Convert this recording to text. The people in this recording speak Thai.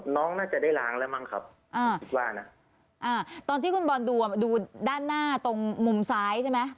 น้องน่าจะได้ล้างแล้วมั้งครับตอนที่คุณบอลดูด้านหน้าตรงมุมซ้ายใช่ไหม